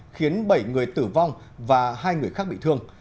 khiến bảy người tử vong và hai người khác bị thương